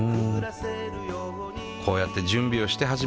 こうやって準備をして始まるんだね。